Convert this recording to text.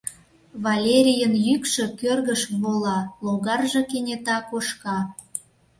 Валерийын йӱкшӧ кӧргыш вола, логарже кенета кошка...